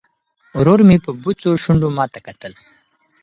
ورور مې په بوڅو شونډو ماته کتل.